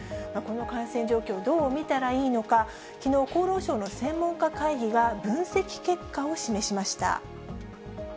この感染状況、どう見たらいいのか、きのう、厚労省の専門家会議が分析結果を示しました。